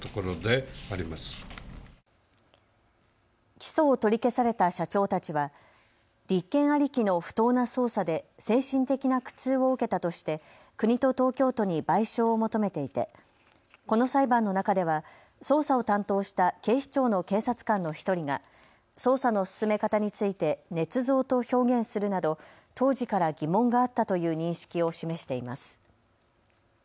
起訴を取り消された社長たちは立件ありきの不当な捜査で精神的な苦痛を受けたとして国と東京都に賠償を求めていてこの裁判の中では捜査を担当した警視庁の警察官の１人が捜査の進め方についてねつ造と表現するなど当時から疑問があったという認識を示しています。